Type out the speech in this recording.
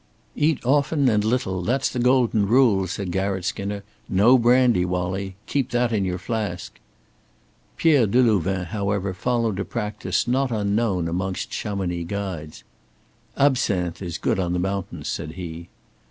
"Eat often and little. That's the golden rule," said Garratt Skinner. "No brandy, Wallie. Keep that in your flask!" Pierre Delouvain, however, followed a practice not unknown amongst Chamonix guides. "Absinthe is good on the mountains," said he.